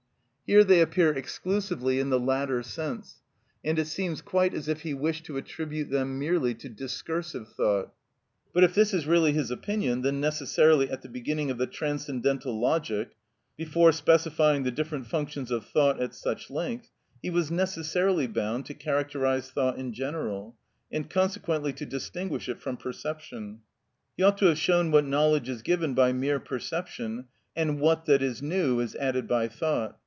Here they appear exclusively in the latter sense, and it seems quite as if he wished to attribute them merely to discursive thought. But if this is really his opinion, then necessarily at the beginning of the Transcendental Logic, before specifying the different functions of thought at such length, he was necessarily bound to characterise thought in general, and consequently to distinguish it from perception; he ought to have shown what knowledge is given by mere perception, and what that is new is added by thought.